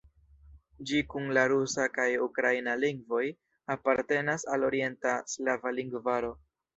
Ĝi kun la rusa kaj ukraina lingvoj apartenas al Orienta slava lingvaro.